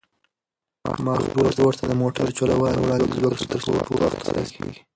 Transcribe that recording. ما خپل ورور ته د موټر چلولو وړاندیز وکړ ترڅو په وخت ورسېږو.